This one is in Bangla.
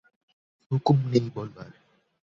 হুকুম নেই বলবার।